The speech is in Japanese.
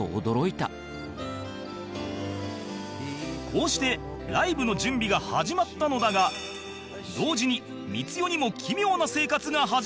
こうしてライブの準備が始まったのだが同時に光代にも奇妙な生活が始まってしまう